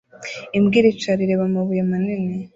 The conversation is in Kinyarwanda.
Imbwa iricara ireba amabuye manini